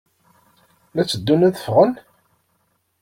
La tteddun ad ffɣen?